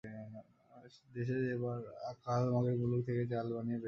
দেশে যেবার আকাল, মগের মুলুক থেকে চাল আনিয়ে বেচে ওর টাকা।